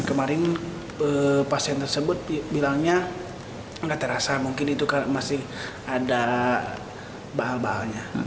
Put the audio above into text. kemarin pasien tersebut bilangnya enggak terasa mungkin itu masih ada bahal bahalnya